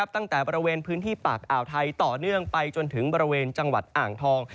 ตั้งแต่บริเวณพื้นที่ปากอ่าวไทยต่อเนื่องไปจนถึงบริเวณจังหวัดอ่างทอง